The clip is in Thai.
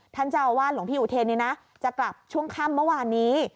ท่านเจ้าอาวาสหลวงพี่อุเทนจะกลับช่วงค่ำเมื่อวานนี้